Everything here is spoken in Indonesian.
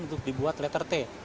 untuk dibuat letter t